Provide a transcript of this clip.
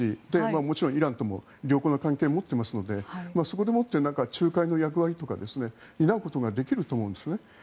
もちろんイランとも良好な関係を持っていますのでそこでもって仲介の役割とか担うことができると思うんですね。